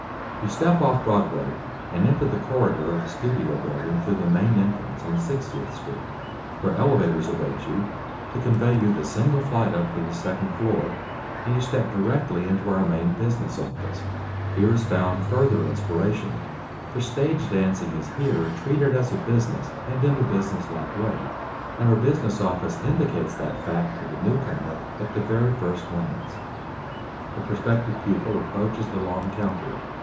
You step off Broadway and enter the corridor of the studio building through the main entrance on 60th Street, where elevators await you, to convey you the single flight up to the second floor, and you step directly into our main business office. Here is found further inspiration, for stage dancing is here treated as a business and in a business like way, and our business office indicates that fact to the newcomer at the very first glance. The prospective pupil approaches the long counter.